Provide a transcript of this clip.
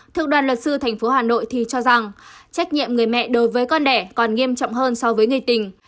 thượng đoàn luật sư tp hà nội thì cho rằng trách nhiệm người mẹ đối với con đẻ còn nghiêm trọng hơn so với người tình